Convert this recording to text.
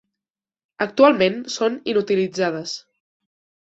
Actualment són inutilitzades.